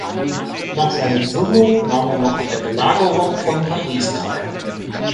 Nach seiner Gesundung nahm er noch an der Belagerung von Paris teil.